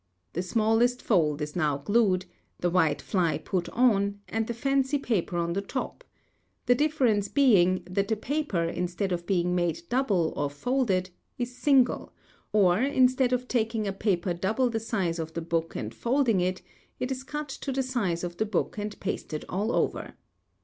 The smallest fold is now glued, the white fly put on, and the fancy paper on the top; the difference being, that the paper instead of being made double or folded is single, or instead of taking a paper double the |39| size of the book and folding it, it is cut to the size of the book and pasted all over.